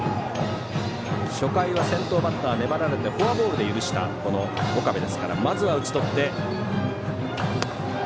初回は先頭バッター粘られてフォアボールで許した岡部ですからまずは打ち取って。